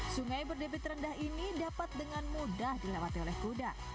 sungai berdepit rendah ini dapat dengan mudah dilewati oleh kuda